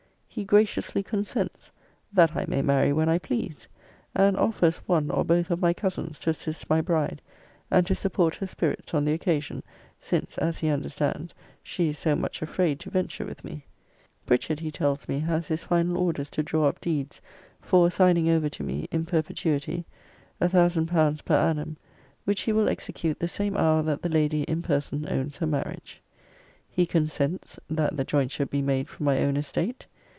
He graciously consents, 'that I may marry when I please; and offers one or both of my cousins to assist my bride, and to support her spirits on the occasion; since, as he understands, she is so much afraid to venture with me. 'Pritchard, he tells me, has his final orders to draw up deeds for assigning over to me, in perpetuity, 1000£. per annum: which he will execute the same hour that the lady in person owns her marriage.' He consents, 'that the jointure be made from my own estate.'